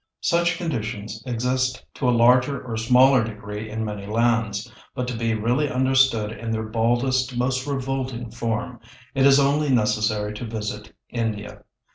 Such conditions exist to a larger or smaller degree in many lands, but to be really understood in their baldest, most revolting form, it is only necessary to visit India.